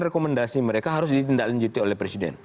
rekomendasi mereka harus ditindaklanjuti oleh presiden